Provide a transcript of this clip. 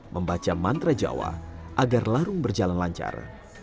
membaca mantra jawa agar larung berjalan lancar